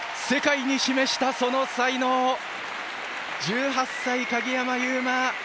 世界に示したその才能、１８歳、鍵山優真。